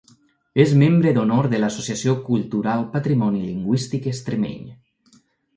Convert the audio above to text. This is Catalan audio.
És membre d'honor de l'Associació Cultural Patrimoni Lingüístic Extremeny.